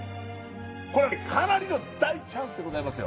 かなりの大チャンスでございますよ。